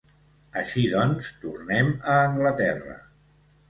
Així doncs, tornem a Anglaterra.